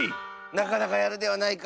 なかなかやるではないか。